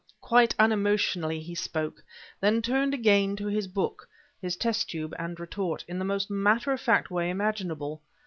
Quite unemotionally he spoke, then turned again to his book, his test tube and retort, in the most matter of fact way imaginable.